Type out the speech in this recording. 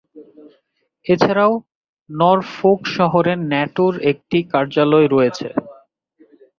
এছাড়াও নরফোক শহরে ন্যাটোর একটি কার্যালয় রয়েছে।